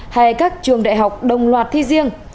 hay các trường đại học đồng loạt thi riêng